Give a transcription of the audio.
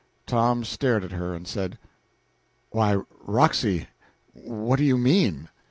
Tom stared at her, and said "Why, Roxy, what do you mean?"